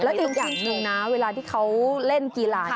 แล้วอีกอย่างหนึ่งนะเวลาที่เขาเล่นกีฬา